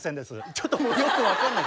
ちょっともうよく分かんない。